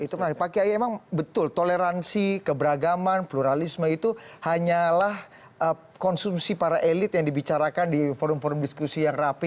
itu tadi pak kiai memang betul toleransi keberagaman pluralisme itu hanyalah konsumsi para elit yang dibicarakan di forum forum diskusi yang rapi